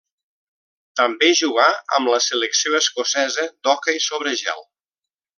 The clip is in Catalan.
També jugà amb la selecció escocesa d'hoquei sobre gel.